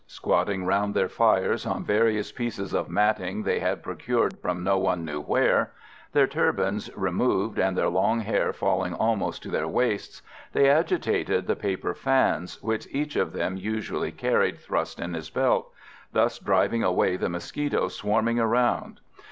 Squatting round their fires on various pieces of matting they had procured from no one knew where, their turbans removed and their long hair falling almost to their waists, they agitated the paper fans, which each of them usually carried thrust in his belt, thus driving away the mosquitoes swarming around.